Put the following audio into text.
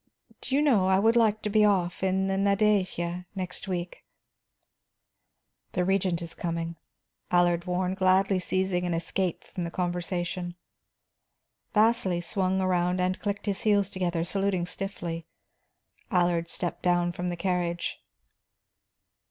Do you know, I would like to be off in the Nadeja next week." "The Regent is coming," Allard warned, gladly seizing an escape from the conversation. Vasili swung around and clicked his heels together, saluting stiffly. Allard stepped down from the carriage.